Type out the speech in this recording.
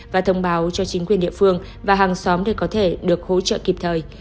và thông báo cho chính quyền địa phương và hàng xóm để có thể được hỗ trợ kịp thời